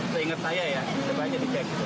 seingat saya ya sebagian dikek